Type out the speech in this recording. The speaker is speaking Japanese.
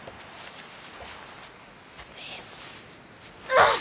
あっ！